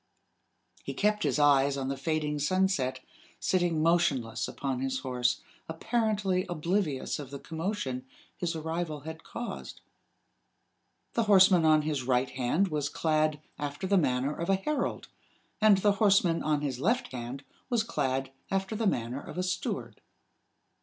He kept his eyes on the fading sunset, sitting motionless upon his horse, apparently oblivious of the commotion his arrival had caused. The horseman on his right hand was clad after the manner of a herald, and the horseman on his left hand was clad after the manner of a steward.